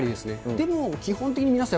でも基本的に皆さん